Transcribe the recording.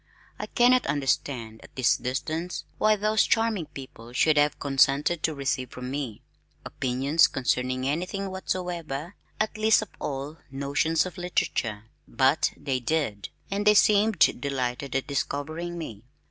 I cannot understand at this distance why those charming people should have consented to receive from me, opinions concerning anything whatsoever, least of all notions of literature, but they did, and they seemed delighted at "discovering" me.